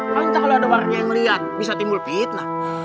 kalian tahu ada warga yang melihat bisa timbul fitnah